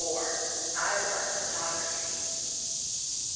I LEARN HYPOCRISY.